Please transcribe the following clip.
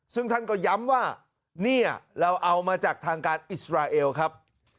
ซึ่งท่านก็ย้ำว่านี่เราเอามาจากทางการอิสราเอลครับ